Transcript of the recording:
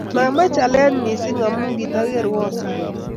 Mamach alet mising amu kitakikerwo sang